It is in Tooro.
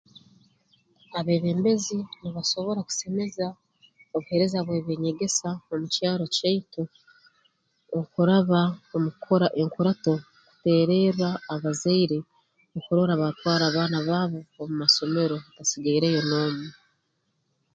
Abeebembezi nibasobora kusemeza obuheereza bw'ebyenyegesa omu kyaro kyaitu omu kuraba omu kukora enkurato kuteererra abazaire okurora batwara abaana baabo omu masomero hatasigaireyo n'omu